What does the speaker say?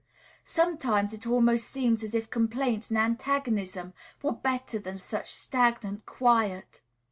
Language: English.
Sometimes it almost seems as if complaints and antagonism were better than such stagnant quiet.